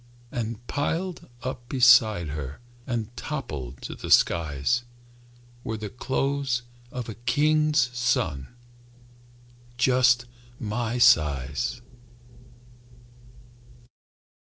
And piled up beside her And toppling to the skies, Were the clothes of a king's son, Just my size.